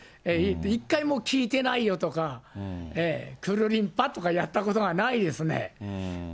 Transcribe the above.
１回も、聞いてないよとか、くるりんぱとかやったことがないですね。